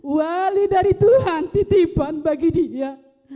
wali dari tuhan titipan bagi dia